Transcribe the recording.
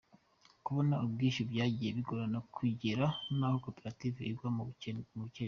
Kubona ubwishyu byagiye bigorana bigera n’aho koperative igwa mu bukererwe.